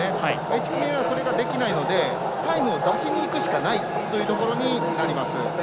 １組目はそれができないのでタイム出しにいくしかないというところになります。